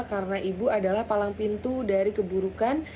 karena ibu adalah palang pintu dari keburukan